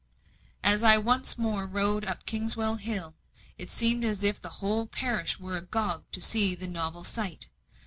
As I once more rode up Kingswell Hill, it seemed as if the whole parish were agog to see the novel sight.